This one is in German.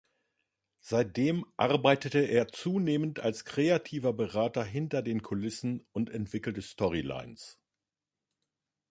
Seitdem arbeitete er zunehmend als kreativer Berater hinter den Kulissen und entwickelte Storylines.